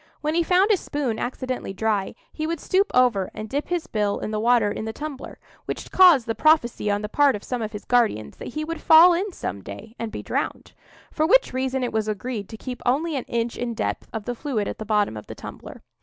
When he found his spoon accidentally dry, he would stoop over and dip his bill in the water in the tumbler; which caused the prophecy on the part of some of his guardians that he would fall in some—day and be drowned. For which reason it was agreed to keep only an inch in depth of the fluid at the bottom of the tumbler.